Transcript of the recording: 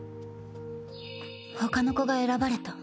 ⁉ほかの子が選ばれた。